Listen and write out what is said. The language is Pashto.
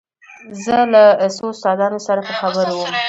زه له څو استادانو سره په خبرو وم.